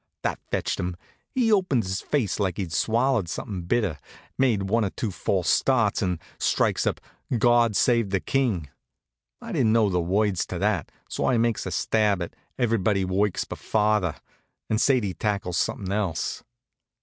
That fetched him. He opened his face like he'd swallowed something bitter, made one or two false starts, and strikes up "God save the King." I didn't know the words to that, so I makes a stab at "Everybody Works but Father," and Sadie tackles somethin' else.